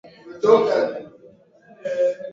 Nguo mpya.